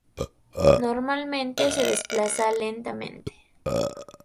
Normalmente se desplaza lentamente.